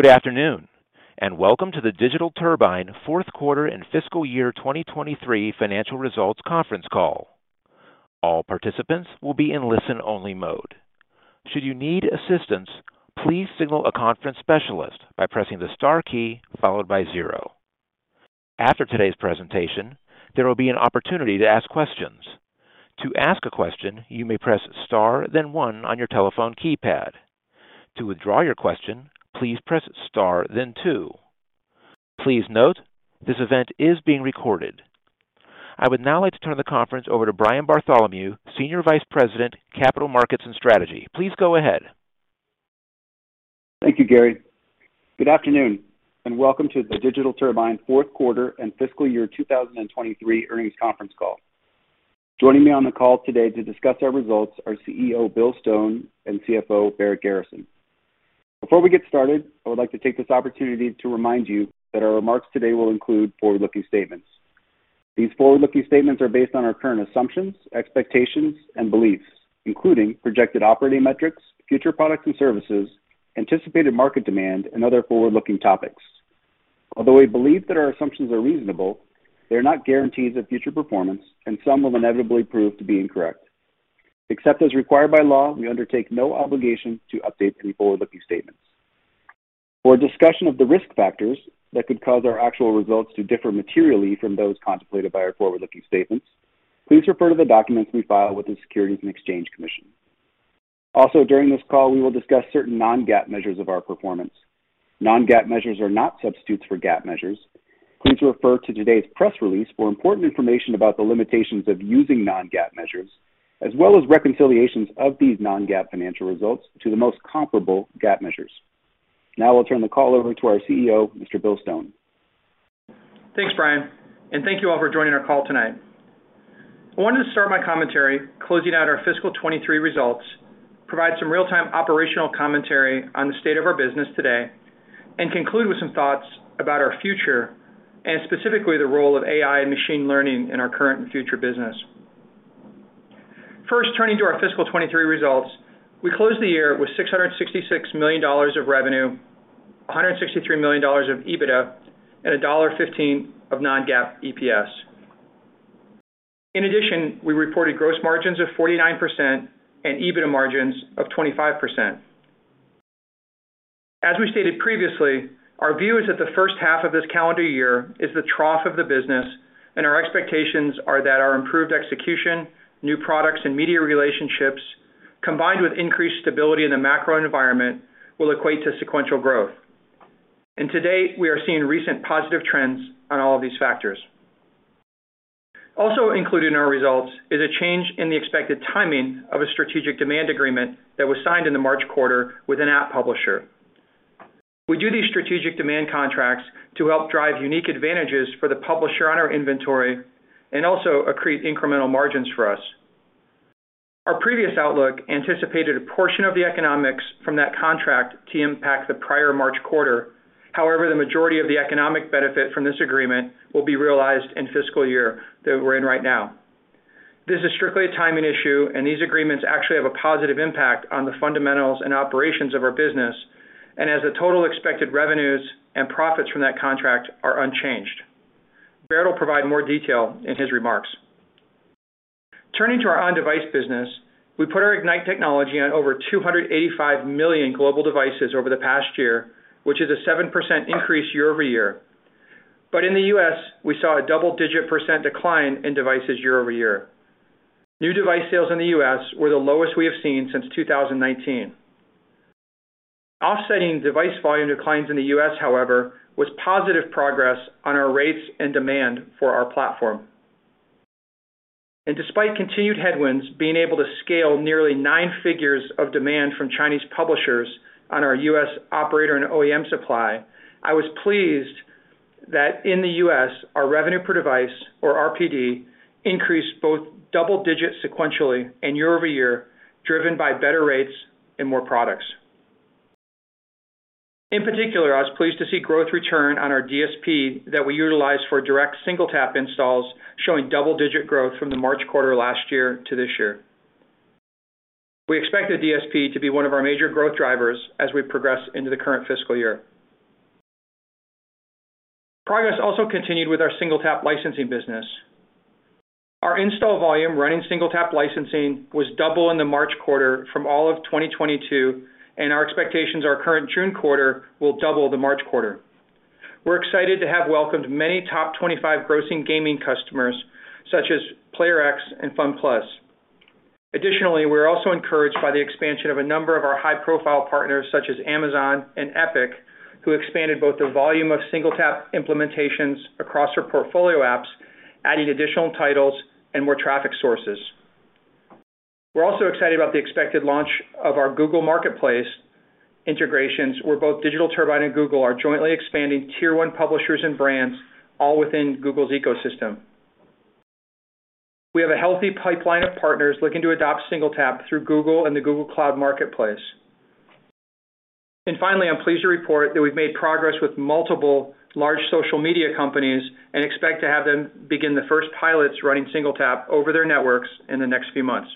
Good afternoon. Welcome to the Digital Turbine fourth quarter and fiscal year 2023 financial results conference call. All participants will be in listen-only mode. Should you need assistance, please signal a conference specialist by pressing the star key followed by zero. After today's presentation, there will be an opportunity to ask questions. To ask a question, you may press star then one on your telephone keypad. To withdraw your question, please press star then two. Please note, this event is being recorded. I would now like to turn the conference over to Brian Bartholomew, Senior Vice President, Capital Markets and Strategy. Please go ahead. Thank you, Gary. Good afternoon. Welcome to the Digital Turbine fourth quarter and fiscal year 2023 earnings conference call. Joining me on the call today to discuss our results are CEO Bill Stone and CFO Barrett Garrison. Before we get started, I would like to take this opportunity to remind you that our remarks today will include forward-looking statements. These forward-looking statements are based on our current assumptions, expectations, and beliefs, including projected operating metrics, future products and services, anticipated market demand, and other forward-looking topics. Although we believe that our assumptions are reasonable, they are not guarantees of future performance, and some will inevitably prove to be incorrect. Except as required by law, we undertake no obligation to update any forward-looking statements. For a discussion of the risk factors that could cause our actual results to differ materially from those contemplated by our forward-looking statements, please refer to the documents we file with the Securities and Exchange Commission. Also, during this call, we will discuss certain non-GAAP measures of our performance. Non-GAAP measures are not substitutes for GAAP measures. Please refer to today's press release for important information about the limitations of using non-GAAP measures as well as reconciliations of these non-GAAP financial results to the most comparable GAAP measures. Now I'll turn the call over to our CEO, Mr. Bill Stone. Thanks, Brian. Thank you all for joining our call tonight. I wanted to start my commentary closing out our fiscal 2023 results, provide some real-time operational commentary on the state of our business today, and conclude with some thoughts about our future and specifically the role of AI and machine learning in our current and future business. First, turning to our fiscal 2023 results, we closed the year with $666 million of revenue, $163 million of EBITDA, and $1.15 of non-GAAP EPS. In addition, we reported gross margins of 49% and EBITDA margins of 25%. As we stated previously, our view is that the first half of this calendar year is the trough of the business. Our expectations are that our improved execution, new products and media relationships, combined with increased stability in the macro environment, will equate to sequential growth. To date, we are seeing recent positive trends on all of these factors. Also included in our results is a change in the expected timing of a strategic demand agreement that was signed in the March quarter with an app publisher. We do these strategic demand contracts to help drive unique advantages for the publisher on our inventory and also accrete incremental margins for us. Our previous outlook anticipated a portion of the economics from that contract to impact the prior March quarter. However, the majority of the economic benefit from this agreement will be realized in fiscal year that we're in right now. This is strictly a timing issue, and these agreements actually have a positive impact on the fundamentals and operations of our business and as the total expected revenues and profits from that contract are unchanged. Barrett will provide more detail in his remarks. Turning to our On-Device business, we put our Ignite technology on over 285 million global devices over the past year, which is a 7% increase year-over-year. In the U.S., we saw a double-digit % decline in devices year-over-year. New device sales in the U.S. were the lowest we have seen since 2019. Offsetting device volume declines in the U.S., however, was positive progress on our rates and demand for our platform. Despite continued headwinds being able to scale nearly nine figures of demand from Chinese publishers on our U.S. operator and OEM supply, I was pleased that in the U.S., our revenue per device or RPD increased both double digits sequentially and year-over-year, driven by better rates and more products. In particular, I was pleased to see growth return on our DSP that we utilize for direct SingleTap installs, showing double-digit growth from the March quarter last year to this year. We expect the DSP to be one of our major growth drivers as we progress into the current fiscal year. Progress also continued with our SingleTap licensing business. Our install volume running SingleTap licensing was double in the March quarter from all of 2022, and our expectations are current June quarter will double the March quarter. We're excited to have welcomed many top 25 grossing gaming customers such as Playrix and FunPlus. Additionally, we're also encouraged by the expansion of a number of our high-profile partners such as Amazon and Epic, who expanded both their volume of SingleTap implementations across their portfolio apps, adding additional titles and more traffic sources. We're also excited about the expected launch of our Google Marketplace integrations, where both Digital Turbine and Google are jointly expanding tier one publishers and brands all within Google's ecosystem. We have a healthy pipeline of partners looking to adopt SingleTap through Google and the Google Cloud Marketplace. Finally, I'm pleased to report that we've made progress with multiple large social media companies and expect to have them begin the first pilots running SingleTap over their networks in the next few months.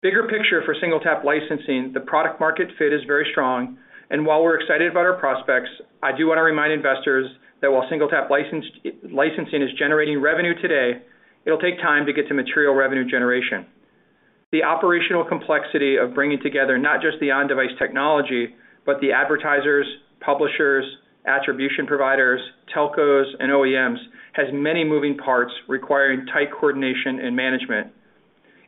Bigger picture for SingleTap licensing, the product market fit is very strong, and while we're excited about our prospects, I do wanna remind investors that while SingleTap licensing is generating revenue today, it'll take time to get to material revenue generation. The operational complexity of bringing together not just the on-device technology, but the advertisers, publishers, attribution providers, telcos, and OEMs, has many moving parts requiring tight coordination and management.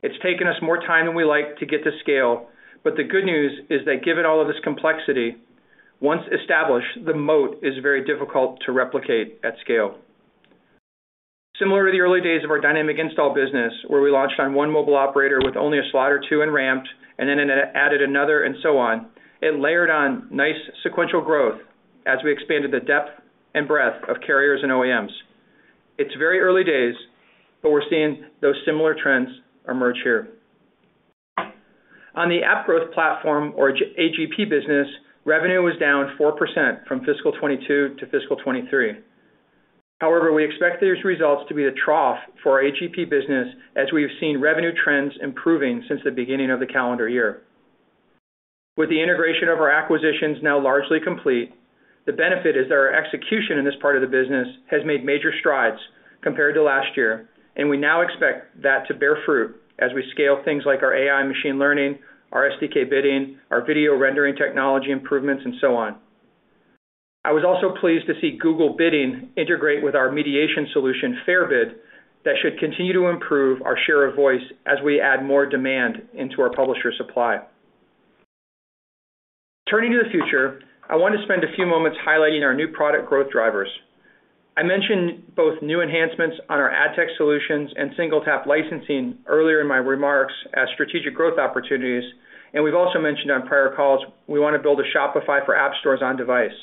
It's taken us more time than we like to get to scale, but the good news is that given all of this complexity, once established, the moat is very difficult to replicate at scale. Similar to the early days of our Dynamic Install business, where we launched on one mobile operator with only a slot or two and ramped, and then added another, and so on, it layered on nice sequential growth as we expanded the depth and breadth of carriers and OEMs. It's very early days, but we're seeing those similar trends emerge here. On the App Growth Platform or AGP business, revenue was down 4% from fiscal 2022 to fiscal 2023. We expect these results to be the trough for our AGP business, as we have seen revenue trends improving since the beginning of the calendar year. With the integration of our acquisitions now largely complete, the benefit is that our execution in this part of the business has made major strides compared to last year. We now expect that to bear fruit as we scale things like our AI machine learning, our SDK Bidding, our video rendering technology improvements, and so on. I was also pleased to see Google Bidding integrate with our mediation solution, FairBid, that should continue to improve our share of voice as we add more demand into our publisher supply. Turning to the future, I want to spend a few moments highlighting our new product growth drivers. I mentioned both new enhancements on our ad tech solutions and SingleTap licensing earlier in my remarks as strategic growth opportunities. We've also mentioned on prior calls we wanna build a Shopify for app stores on device.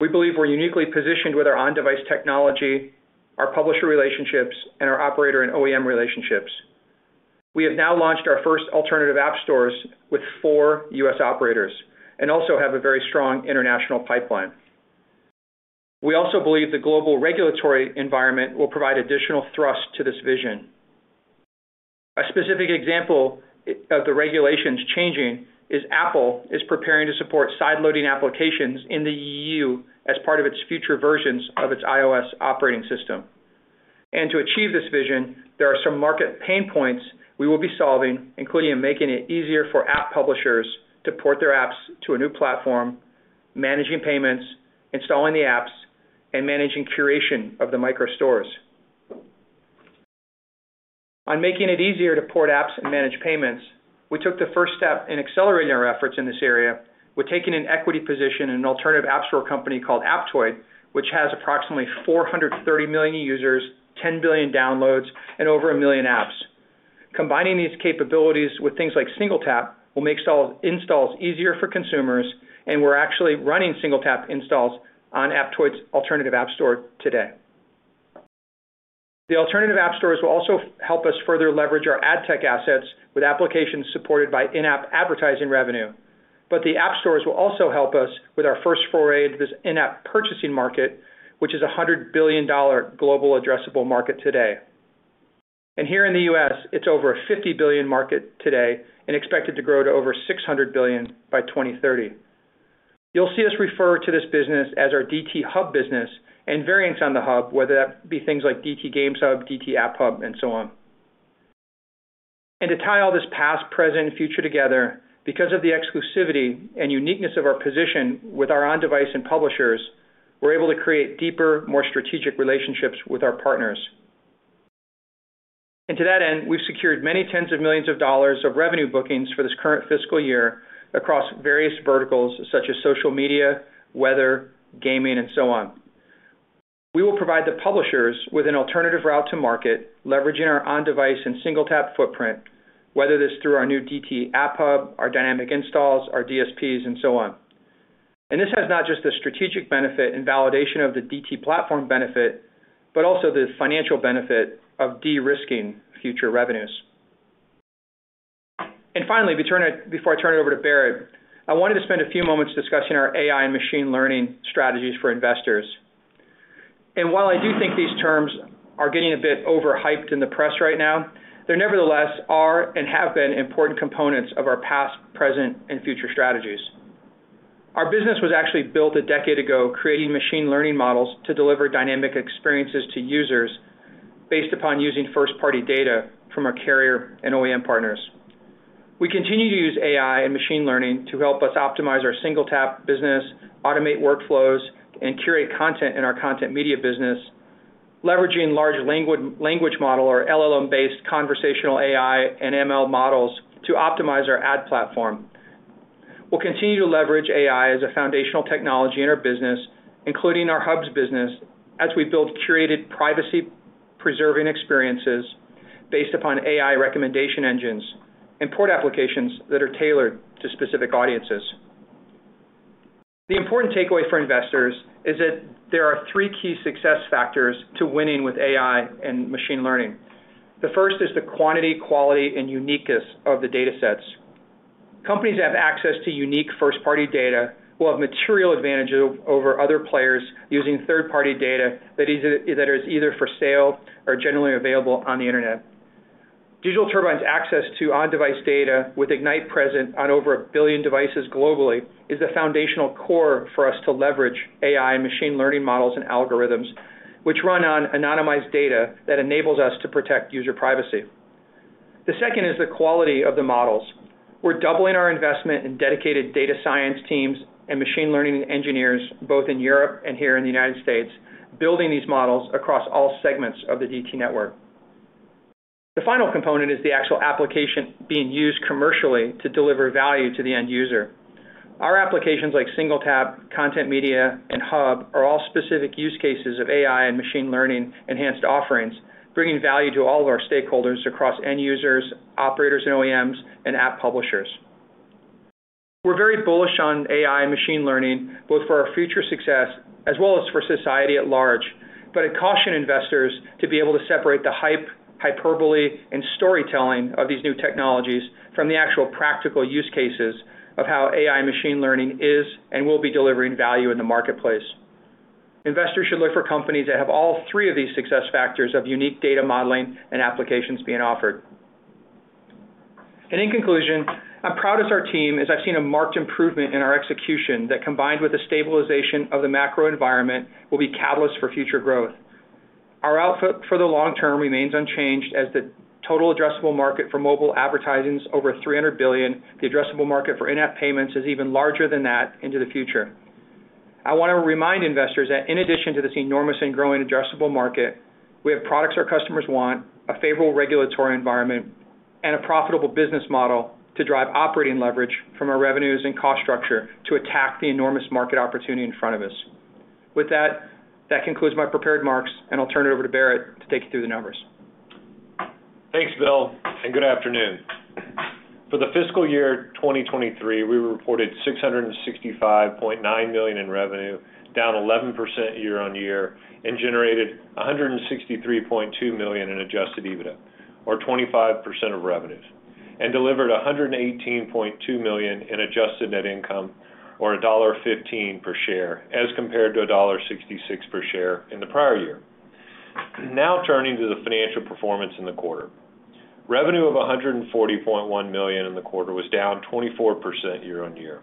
We believe we're uniquely positioned with our on-device technology, our publisher relationships, and our operator and OEM relationships. We have now launched our first alternative app stores with four U.S. operators, and also have a very strong international pipeline. We also believe the global regulatory environment will provide additional thrust to this vision. A specific example of the regulations changing is Apple is preparing to support side-loading applications in the EU as part of its future versions of its iOS operating system. To achieve this vision, there are some market pain points we will be solving, including making it easier for app publishers to port their apps to a new platform, managing payments, installing the apps, and managing curation of the micro stores. On making it easier to port apps and manage payments, we took the first step in accelerating our efforts in this area. We're taking an equity position in an alternative app store company called Aptoide, which has approximately 430 million users, 10 billion downloads, and over a million apps. Combining these capabilities with things like SingleTap will make installs easier for consumers, we're actually running SingleTap installs on Aptoide's alternative app store today. The alternative app stores will also help us further leverage our ad tech assets with applications supported by in-app advertising revenue. The app stores will also help us with our first foray into this in-app purchasing market, which is a $100 billion global addressable market today. Here in the U.S., it's over a $50 billion market today and expected to grow to over $600 billion by 2030. You'll see us refer to this business as our DT Hub business and variants on the hub, whether that be things like DT Games Hub, DT App Hub, and so on. To tie all this past, present, and future together, because of the exclusivity and uniqueness of our position with our on-device and publishers, we're able to create deeper, more strategic relationships with our partners. To that end, we've secured many tens of millions of dollars of revenue bookings for this current fiscal year across various verticals such as social media, whether, gaming, and so on. We will provide the publishers with an alternative route to market, leveraging our on-device and SingleTap footprint, whether it is through our new DT App Hub, our Dynamic Installs, our DSPs, and so on. This has not just the strategic benefit and validation of the DT platform benefit, but also the financial benefit of de-risking future revenues. Finally, before I turn it over to Barrett, I wanted to spend a few moments discussing our AI and machine learning strategies for investors. While I do think these terms are getting a bit overhyped in the press right now, they nevertheless are and have been important components of our past, present, and future strategies. Our business was actually built a decade ago, creating machine learning models to deliver dynamic experiences to users based upon using first-party data from our carrier and OEM partners. We continue to use AI and machine learning to help us optimize our SingleTap business, automate workflows, and curate content in our Content Media business, leveraging large language model or LLM-based conversational AI and ML models to optimize our ad platform. We'll continue to leverage AI as a foundational technology in our business, including our hubs business, as we build curated privacy-preserving experiences based upon AI recommendation engines and port applications that are tailored to specific audiences. The important takeaway for investors is that there are three key success factors to winning with AI and machine learning. The first is the quantity, quality, and uniqueness of the datasets. Companies that have access to unique first-party data will have material advantage over other players using third-party data that is either for sale or generally available on the Internet. Digital Turbine's access to on-device data with Ignite present on over a billion devices globally is the foundational core for us to leverage AI and machine learning models and algorithms, which run on anonymized data that enables us to protect user privacy. The second is the quality of the models. We're doubling our investment in dedicated data science teams and machine learning engineers, both in Europe and here in the United States, building these models across all segments of the DT network. The final component is the actual application being used commercially to deliver value to the end user. Our applications like SingleTap, Content Media, and Hub are all specific use cases of AI and machine learning-enhanced offerings, bringing value to all of our stakeholders across end users, operators and OEMs, and app publishers. We're very bullish on AI and machine learning, both for our future success as well as for society at large, but I'd caution investors to be able to separate the hype, hyperbole, and storytelling of these new technologies from the actual practical use cases of how AI and machine learning is and will be delivering value in the marketplace. Investors should look for companies that have all three of these success factors of unique data modeling and applications being offered. In conclusion, I'm proudest of our team, as I've seen a marked improvement in our execution that, combined with the stabilization of the macro environment, will be catalyst for future growth. Our outlook for the long term remains unchanged, as the total addressable market for mobile advertising is over $300 billion. The addressable market for in-app payments is even larger than that into the future. I wanna remind investors that in addition to this enormous and growing addressable market, we have products our customers want, a favorable regulatory environment, and a profitable business model to drive operating leverage from our revenues and cost structure to attack the enormous market opportunity in front of us. With that concludes my prepared remarks, and I'll turn it over to Barrett to take you through the numbers. Thanks, Bill, and good afternoon. For the fiscal year 2023, we reported $665.9 million in revenue, down 11% year-on-year, and generated $163.2 million in adjusted EBITDA, or 25% of revenues, and delivered $118.2 million in adjusted net income, or $1.15 per share, as compared to $1.66 per share in the prior year. Now turning to the financial performance in the quarter. Revenue of $140.1 million in the quarter was down 24% year-on-year.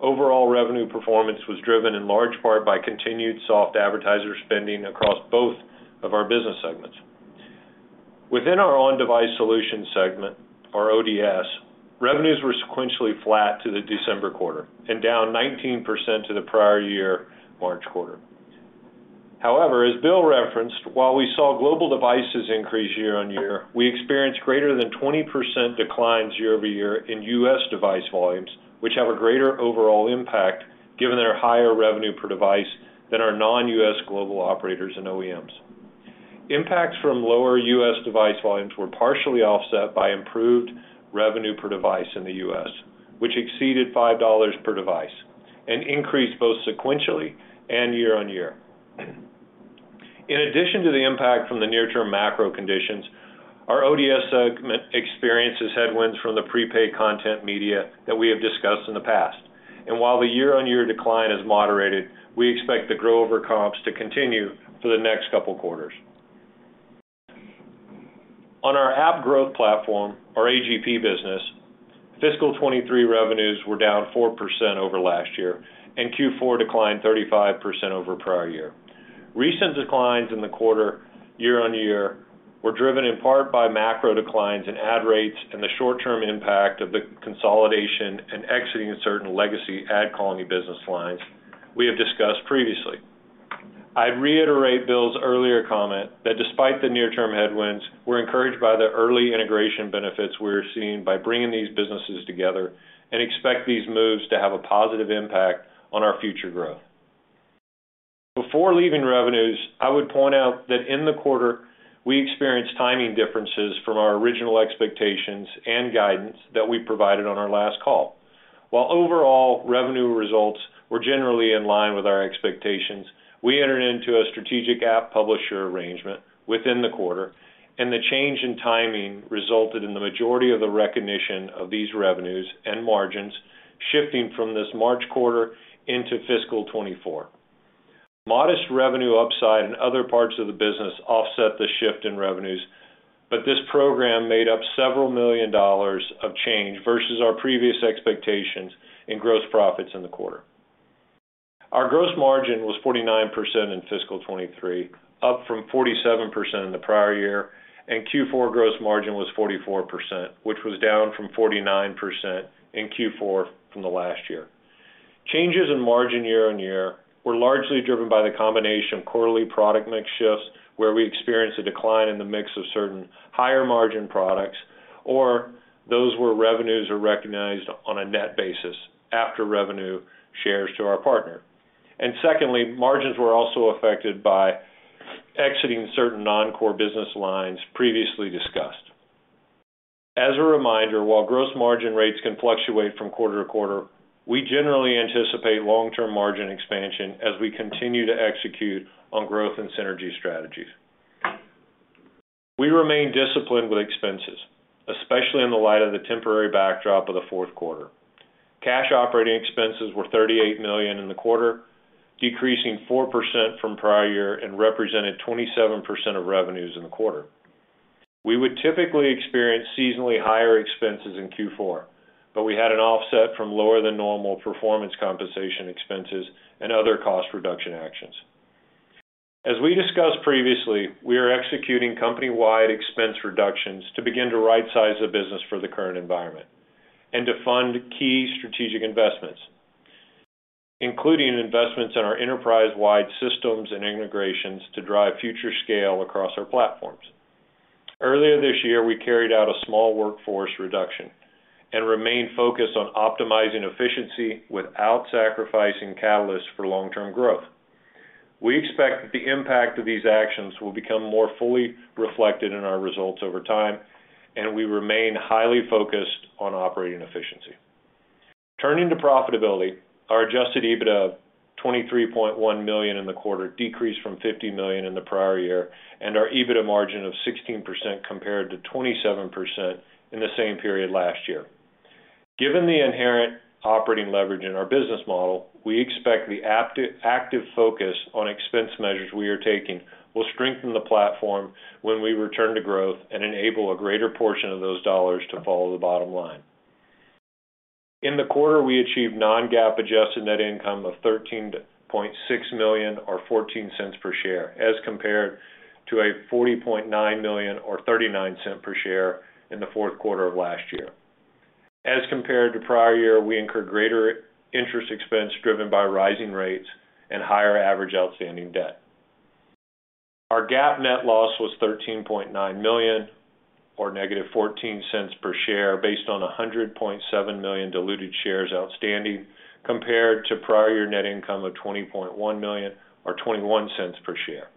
Overall revenue performance was driven in large part by continued soft advertiser spending across both of our business segments. Within our On-Device Solutions segment, or ODS, revenues were sequentially flat to the December quarter and down 19% to the prior year March quarter. However, as Bill referenced, while we saw global devices increase year-over-year, we experienced greater than 20% declines year-over-year in U.S. device volumes, which have a greater overall impact given their higher revenue per device than our non-U.S. global operators and OEMs. Impacts from lower U.S. device volumes were partially offset by improved revenue per device in the U.S., which exceeded $5 per device and increased both sequentially and year-over-year. In addition to the impact from the near-term macro conditions, our ODS segment experiences headwinds from the prepaid content media that we have discussed in the past. While the year-on-year decline is moderated, we expect the grow over comps to continue for the next couple quarters. On our App Growth Platform, or AGP business, fiscal 2023 revenues were down 4% over last year, Q4 declined 35% over prior year. Recent declines in the quarter year-over-year were driven in part by macro declines in ad rates and the short-term impact of the consolidation and exiting certain legacy AdColony business lines we have discussed previously. I'd reiterate Bill's earlier comment that despite the near-term headwinds, we're encouraged by the early integration benefits we're seeing by bringing these businesses together and expect these moves to have a positive impact on our future growth. Before leaving revenues, I would point out that in the quarter, we experienced timing differences from our original expectations and guidance that we provided on our last call. While overall revenue results were generally in line with our expectations, we entered into a strategic app publisher arrangement within the quarter, and the change in timing resulted in the majority of the recognition of these revenues and margins shifting from this March quarter into fiscal 2024. Modest revenue upside in other parts of the business offset the shift in revenues. This program made up $several million of change versus our previous expectations in gross profits in the quarter. Our gross margin was 49% in fiscal 2023, up from 47% in the prior year. Q4 gross margin was 44%, which was down from 49% in Q4 from the last year. Changes in margin year on year were largely driven by the combination of quarterly product mix shifts, where we experienced a decline in the mix of certain higher-margin products or those where revenues are recognized on a net basis after revenue shares to our partner. Secondly, margins were also affected by exiting certain non-core business lines previously discussed. As a reminder, while gross margin rates can fluctuate from quarter to quarter, we generally anticipate long-term margin expansion as we continue to execute on growth and synergy strategies. We remain disciplined with expenses, especially in the light of the temporary backdrop of the fourth quarter. Cash operating expenses were $38 million in the quarter, decreasing 4% from prior year and represented 27% of revenues in the quarter. We would typically experience seasonally higher expenses in Q4, but we had an offset from lower than normal performance compensation expenses and other cost reduction actions. As we discussed previously, we are executing company-wide expense reductions to begin to rightsize the business for the current environment and to fund key strategic investments, including investments in our enterprise-wide systems and integrations to drive future scale across our platforms. Earlier this year, we carried out a small workforce reduction and remain focused on optimizing efficiency without sacrificing catalysts for long-term growth. We expect the impact of these actions will become more fully reflected in our results over time, and we remain highly focused on operating efficiency. Turning to profitability, our adjusted EBITDA of $23.1 million in the quarter decreased from $50 million in the prior year, and our EBITDA margin of 16% compared to 27% in the same period last year. Given the inherent operating leverage in our business model, we expect the active focus on expense measures we are taking will strengthen the platform when we return to growth and enable a greater portion of those dollars to follow the bottom line. In the quarter, we achieved non-GAAP adjusted net income of $13.6 million or $0.14 per share as compared to $40.9 million or $0.39 per share in the fourth quarter of last year. As compared to prior year, we incurred greater interest expense driven by rising rates and higher average outstanding debt. Our GAAP net loss was $13.9 million or negative $0.14 per share based on 100.7 million diluted shares outstanding compared to prior year net income of $20.1 million or $0.21 per share.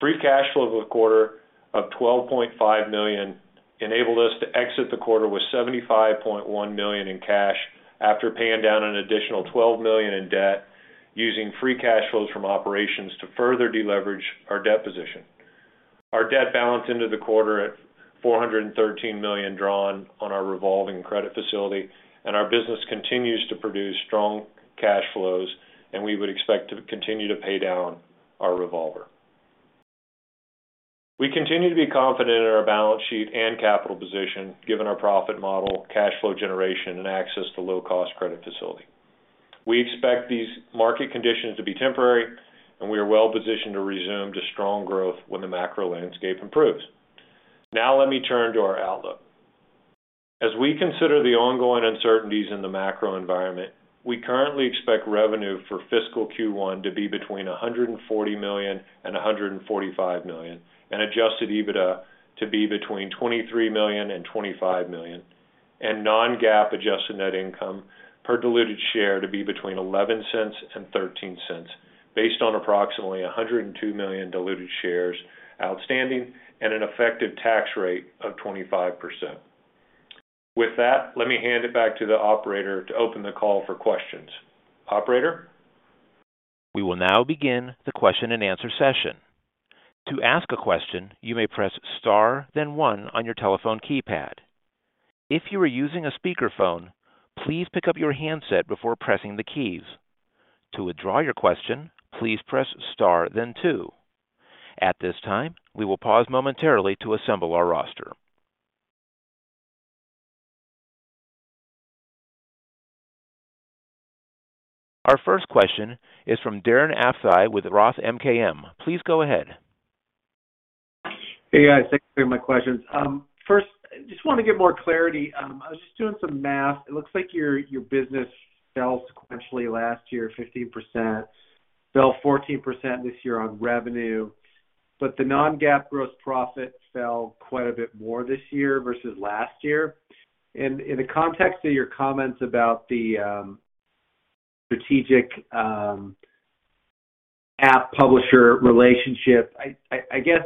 Free cash flow of a quarter of $12.5 million enabled us to exit the quarter with $75.1 million in cash after paying down an additional $12 million in debt using free cash flows from operations to further deleverage our debt position. Our debt balance into the quarter at $413 million drawn on our revolving credit facility and our business continues to produce strong cash flows, and we would expect to continue to pay down our revolver. We continue to be confident in our balance sheet and capital position given our profit model, cash flow generation, and access to low-cost credit facility. We expect these market conditions to be temporary, and we are well-positioned to resume to strong growth when the macro landscape improves. Now let me turn to our outlook. As we consider the ongoing uncertainties in the macro environment, we currently expect revenue for fiscal Q1 to be between $140 million and $145 million, and adjusted EBITDA to be between $23 million and $25 million, and non-GAAP adjusted net income per diluted share to be between $0.11 and $0.13 based on approximately 102 million diluted shares outstanding and an effective tax rate of 25%. Let me hand it back to the operator to open the call for questions. Operator? We will now begin the question-and-answer session. To ask a question, you may press star then one on your telephone keypad. If you are using a speakerphone, please pick up your handset before pressing the keys. To withdraw your question, please press star then two. At this time, we will pause momentarily to assemble our roster. Our first question is from Darren Aftahi with ROTH MKM. Please go ahead. Hey, guys. Thanks for taking my questions. First, just want to get more clarity. I was just doing some math. It looks like your business fell sequentially last year 15%, fell 14% this year on revenue, but the non-GAAP gross profit fell quite a bit more this year versus last year. In the context of your comments about the strategic app publisher relationship, I guess,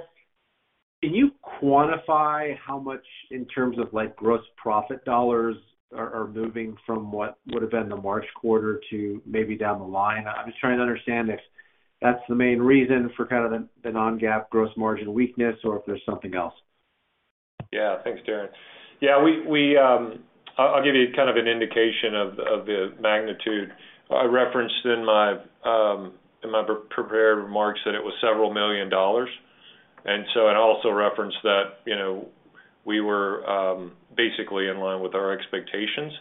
can you quantify how much in terms of like gross profit dollars are moving from what would have been the March quarter to maybe down the line? I'm just trying to understand if that's the main reason for kind of the non-GAAP gross margin weakness or if there's something else? Yeah. Thanks, Darren. Yeah, we, I'll give you kind of an indication of the magnitude. I referenced in my prepared remarks that it was several million dollars. Also referenced that, you know, we were basically in line with our expectations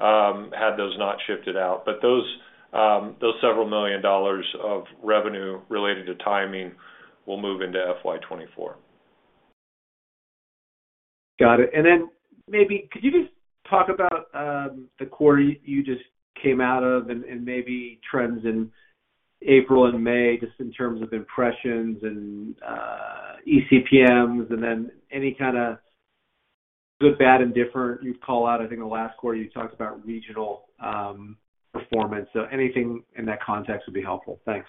had those not shifted out. Those several million dollars of revenue related to timing will move into FY 2024. Got it. Maybe could you just talk about the quarter you just came out of and maybe trends in April and May just in terms of impressions and eCPMs. Any kind of good, bad, and different you'd call out. I think the last quarter you talked about regional performance. Anything in that context would be helpful. Thanks.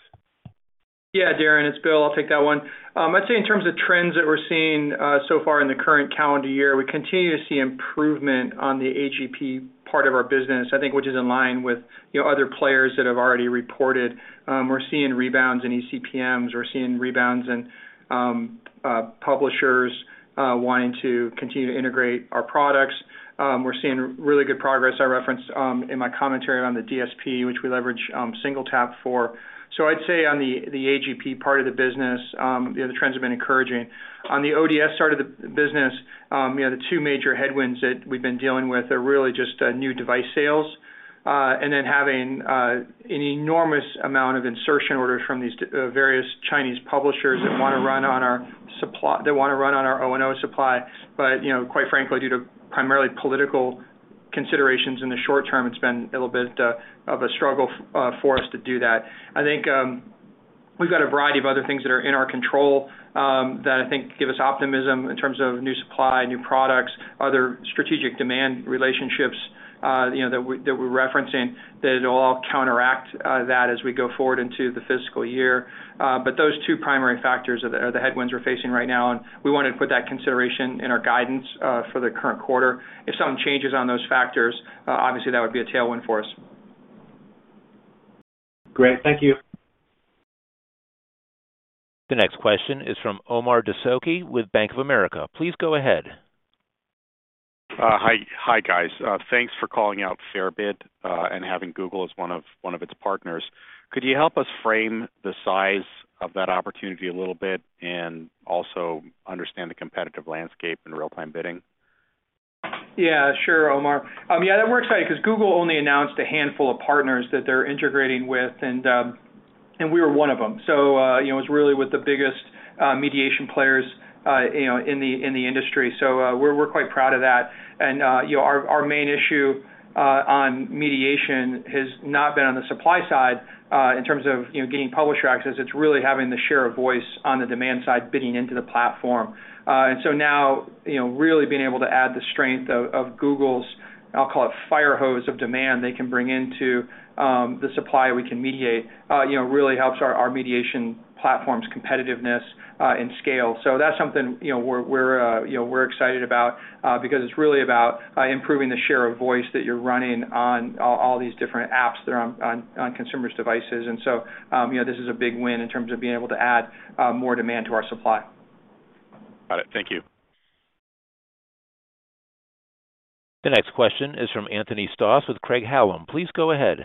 Yeah, Darren, it's Bill. I'll take that one. I'd say in terms of trends that we're seeing so far in the current calendar year, we continue to see improvement on the AGP part of our business, I think, which is in line with, you know, other players that have already reported. We're seeing rebounds in eCPMs. We're seeing rebounds in publishers wanting to continue to integrate our products. We're seeing really good progress. I referenced in my commentary on the DSP, which we leverage SingleTap for. I'd say on the AGP part of the business, you know, the trends have been encouraging. On the ODS side of the business, you know, the two major headwinds that we've been dealing with are really just new device sales, and then having an enormous amount of insertion orders from these various Chinese publishers that wanna run on our supply. They wanna run on our O&O supply. You know, quite frankly, due to primarily political considerations in the short term, it's been a little bit of a struggle for us to do that. I think we've got a variety of other things that are in our control that I think give us optimism in terms of new supply, new products, other strategic demand relationships, you know, that we, that we're referencing, that it'll all counteract that as we go forward into the fiscal year. Those two primary factors are the headwinds we're facing right now, and we wanted to put that consideration in our guidance, for the current quarter. If something changes on those factors, obviously, that would be a tailwind for us. Great. Thank you. The next question is from Omar Dessouky with Bank of America. Please go ahead. Hi. Hi, guys. Thanks for calling out FairBid and having Google as one of its partners. Could you help us frame the size of that opportunity a little bit and also understand the competitive landscape in real-time bidding? Yeah. Sure, Omar. Yeah, we're excited 'cause Google only announced a handful of partners that they're integrating with, and we were one of them. You know, it's really with the biggest mediation players, you know, in the industry. We're quite proud of that. You know, our main issue on mediation has not been on the supply side, in terms of, you know, gaining publisher access. It's really having the share of voice on the demand side bidding into the platform. Now, you know, really being able to add the strength of Google's, I'll call it fire hose of demand they can bring into the supply we can mediate, you know, really helps our mediation platform's competitiveness and scale. That's something, you know, we're, you know, we're excited about, because it's really about improving the share of voice that you're running on all these different apps that are on consumers' devices. You know, this is a big win in terms of being able to add more demand to our supply. Got it. Thank you. The next question is from Anthony Stoss with Craig-Hallum. Please go ahead.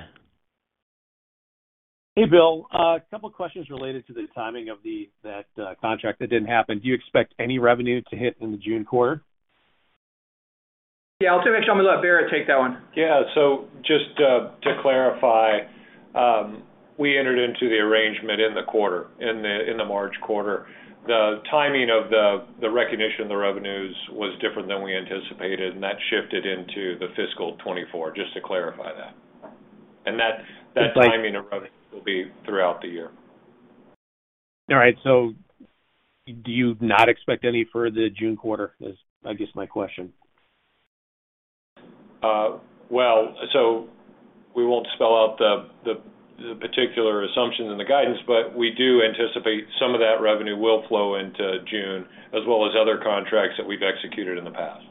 Hey, Bill. A couple of questions related to the timing of that contract that didn't happen. Do you expect any revenue to hit in the June quarter? Yeah. I'll actually make sure I'm gonna let Barrett take that one. Yeah. Just to clarify, we entered into the arrangement in the quarter, in the March quarter. The timing of the recognition of the revenues was different than we anticipated, and that shifted into the fiscal 2024, just to clarify that. It's like. That timing of revenue will be throughout the year. All right. Do you not expect any for the June quarter is, I guess, my question? Well, we won't spell out the particular assumptions in the guidance, but we do anticipate some of that revenue will flow into June, as well as other contracts that we've executed in the past.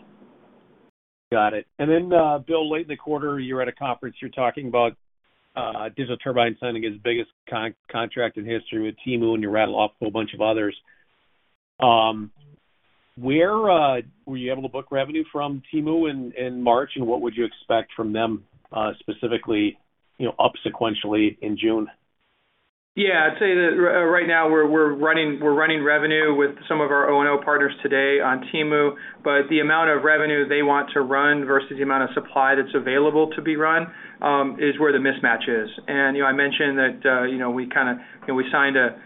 Got it. Bill, late in the quarter, you were at a conference, you're talking about Digital Turbine signing its biggest contract in history with Temu, and you rattled off a whole bunch of others. Where were you able to book revenue from Temu in March, and what would you expect from them, specifically, you know, up sequentially in June? Yeah. I'd say that right now we're running revenue with some of our O&O partners today on Temu, but the amount of revenue they want to run versus the amount of supply that's available to be run is where the mismatch is. You know, I mentioned that, you know, we signed a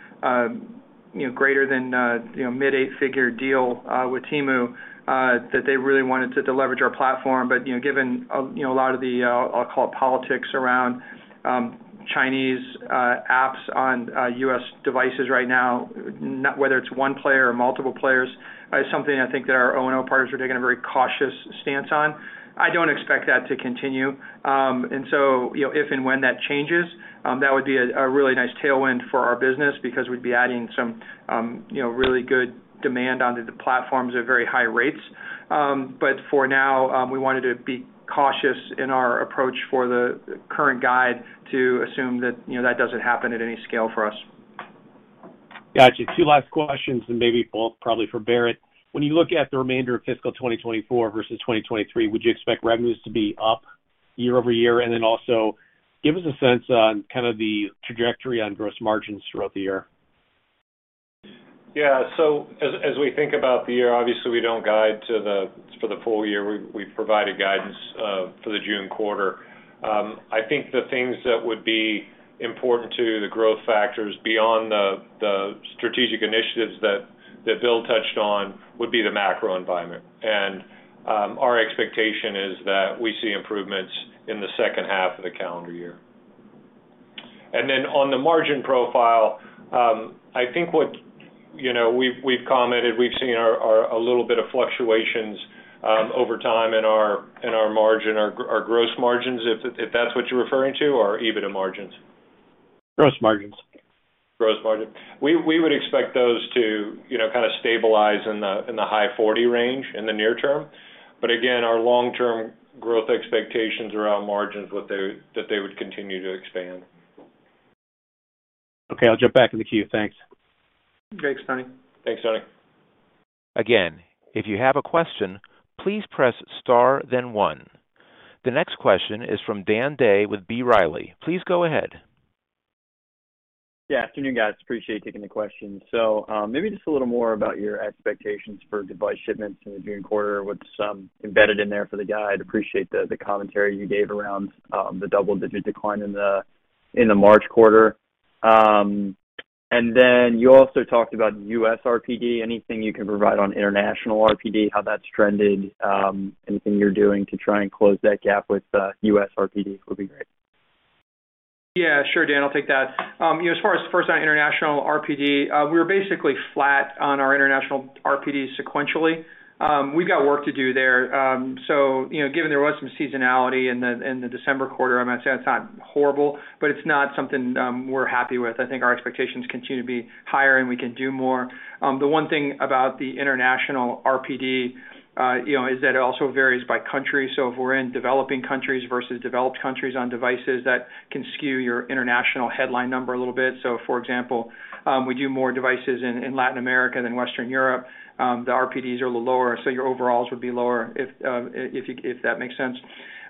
greater than mid eight-figure deal with Temu that they really wanted to leverage our platform. You know, given a lot of the, I'll call it politics around Chinese apps on U.S. devices right now, not whether it's one player or multiple players, is something I think that our O&O partners are taking a very cautious stance on. I don't expect that to continue. You know, if and when that changes, that would be a really nice tailwind for our business because we'd be adding some, you know, really good demand onto the platforms at very high rates. For now, we wanted to be cautious in our approach for the current guide to assume that, you know, that doesn't happen at any scale for us. Got you. Two last questions, maybe both probably for Barrett. When you look at the remainder of fiscal 2024 versus 2023, would you expect revenues to be up year-over-year? Also give us a sense on kind of the trajectory on gross margins throughout the year. As we think about the year, obviously, we don't guide for the full year. We've provided guidance for the June quarter. I think the things that would be important to the growth factors beyond the strategic initiatives that Bill touched on would be the macro environment. Our expectation is that we see improvements in the second half of the calendar year. On the margin profile, I think what. You know, we've commented, we've seen a little bit of fluctuations over time in our margin, our gross margins, if that's what you're referring to, or EBITDA margins? Gross margins. Gross margin. We would expect those to, you know, kind of stabilize in the high 40% range in the near term. Again, our long-term growth expectations around margins, that they would continue to expand. Okay. I'll jump back in the queue. Thanks. Thanks, Tony. Thanks, Tony. Again, if you have a question, please press star then one. The next question is from Dan Day with B. Riley. Please go ahead. Afternoon, guys. Appreciate you taking the question. Maybe just a little more about your expectations for device shipments in the June quarter with some embedded in there for the guide. Appreciate the commentary you gave around the double-digit decline in the March quarter. You also talked about U.S. RPD. Anything you can provide on international RPD, how that's trended? Anything you're doing to try and close that gap with U.S. RPDs would be great. Yeah. Sure, Dan. I'll take that. you know, as far as, first on international RPD, we're basically flat on our international RPD sequentially. We've got work to do there. you know, given there was some seasonality in the, in the December quarter, I'm gonna say that's not horrible, but it's not something, we're happy with. I think our expectations continue to be higher and we can do more. The one thing about the international RPD, you know, is that it also varies by country. If we're in developing countries versus developed countries on devices, that can skew your international headline number a little bit. For example, we do more devices in Latin America than Western Europe. The RPDs are a little lower, your overalls would be lower if that makes sense.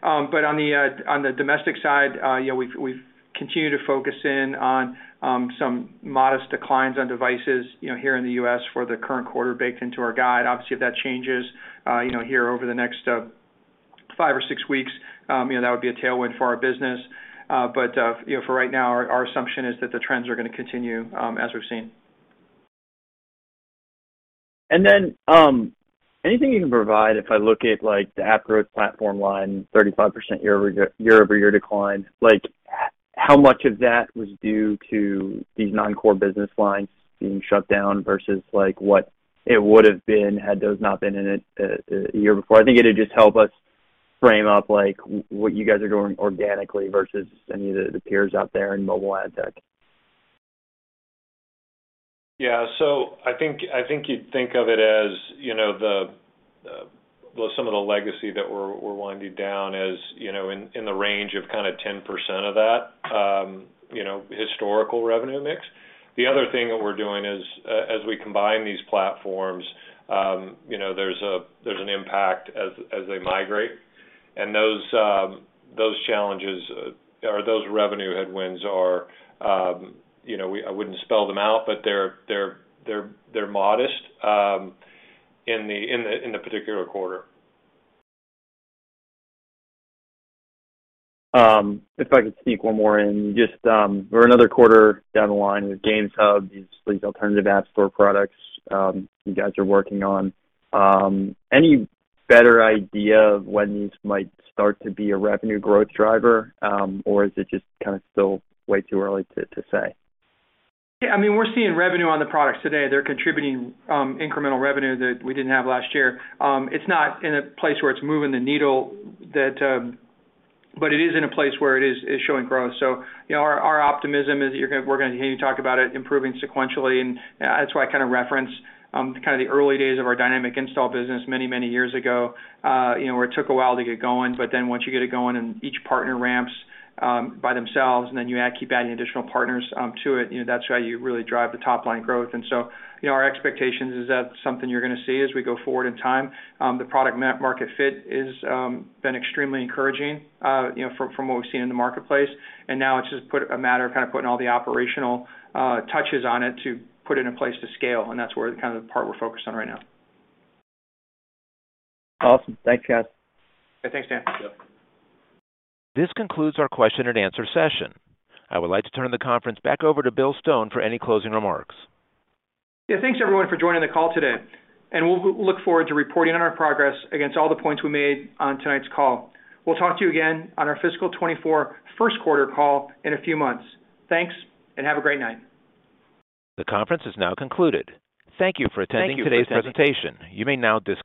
On the, on the domestic side, you know, we've continued to focus in on, some modest declines on devices, you know, here in the U.S. for the current quarter baked into our guide. Obviously, if that changes, you know, here over the next, five or six weeks, you know, that would be a tailwind for our business. You know, for right now, our assumption is that the trends are gonna continue, as we've seen. Anything you can provide if I look at, like, the App Growth Platform line, 35% year-over-year, year-over-year decline? Like, how much of that was due to these non-core business lines being shut down versus, like, what it would've been had those not been in it a year before? I think it'd just help us frame up, like, what you guys are doing organically versus any of the peers out there in mobile ad tech? Yeah. I think you'd think of it as, you know, the, well, some of the legacy that we're winding down as, you know, in the range of kind of 10% of that, you know, historical revenue mix. The other thing that we're doing is, as we combine these platforms, you know, there's an impact as they migrate. Those, those challenges or those revenue headwinds are, you know, I wouldn't spell them out, but they're modest in the particular quarter. If I could sneak one more in. Just, we're another quarter down the line with GamesHub, these alternative app store products, you guys are working on. Any better idea of when these might start to be a revenue growth driver, or is it just kinda still way too early to say? Yeah. I mean, we're seeing revenue on the products today. They're contributing incremental revenue that we didn't have last year. It's not in a place where it's moving the needle that, but it's in a place where it's showing growth. You know, our optimism is we're gonna continue to talk about it improving sequentially, and that's why I kinda reference, kinda the early days of our Dynamic Install business many, many years ago, you know, where it took a while to get going, but then once you get it going and each partner ramps by themselves, and then you keep adding additional partners to it, you know, that's how you really drive the top-line growth. You know, our expectation is that's something you're gonna see as we go forward in time. The product-market fit is been extremely encouraging, you know, from what we've seen in the marketplace. Now it's just a matter of kinda putting all the operational touches on it to put it in place to scale. That's where kinda the part we're focused on right now. Awesome. Thanks, guys. Yeah. Thanks, Dan. This concludes our question and answer session. I would like to turn the conference back over to Bill Stone for any closing remarks. Yeah. Thanks everyone for joining the call today, and we'll look forward to reporting on our progress against all the points we made on tonight's call. We'll talk to you again on our fiscal 2024 first quarter call in a few months. Thanks, and have a great night. The conference is now concluded. Thank you for attending today's presentation. You may now disconnect.